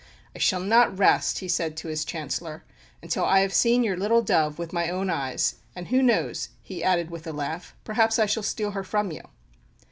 "I shall not rest," he said to his Chancellor, "until I have seen your 'little dove' with my own eyes; and who knows," he added with a laugh, "perhaps I shall steal her from you!"